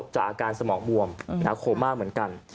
จากอาการสมองบวมโคม่าเหมือนกัน